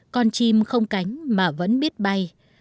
con chim không cánh mà vẫn biết bay